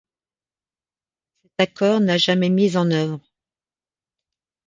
Cet accord n’a jamais mis en œuvre.